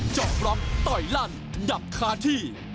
จอบรับต่อยรันหยับคาที่